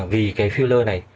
vì cái filler này